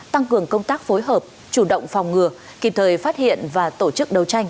tăng cường công tác phối hợp chủ động phòng ngừa kịp thời phát hiện và tổ chức đấu tranh